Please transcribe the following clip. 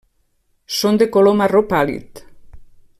Són de color marró pàl·lid.